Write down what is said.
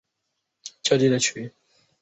坑外东南不远有一处反照率较低的区域。